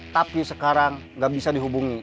tapi sekarang nggak bisa dihubungi